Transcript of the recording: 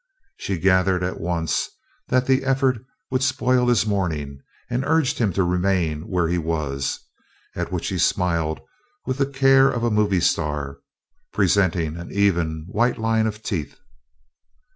She gathered at once that the effort would spoil his morning and urged him to remain where he was, at which he smiled with the care of a movie star, presenting an even, white line of teeth.